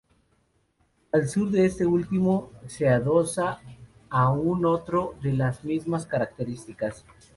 Al sur de este último se adosa aún otro de las mismas características.